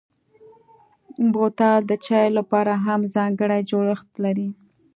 بوتل د چايو لپاره هم ځانګړی جوړښت لري.